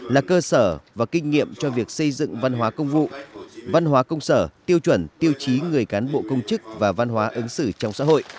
là cơ sở và kinh nghiệm cho việc xây dựng văn hóa công vụ văn hóa công sở tiêu chuẩn tiêu chí người cán bộ công chức và văn hóa ứng xử trong xã hội